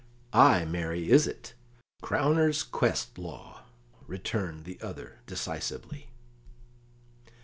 "Ay, marry, is it; crowner's quest law," returned the other decisively.